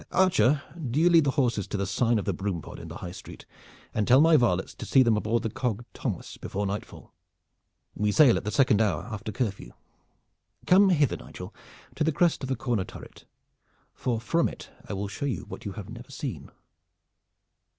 Archer, do you lead the horses to the 'Sign of the Broom Pod' in the high street, and tell my varlets to see them aboard the cog Thomas before nightfall. We sail at the second hour after curfew. Come hither, Nigel, to the crest of the corner turret, for from it I will show you what you have never seen."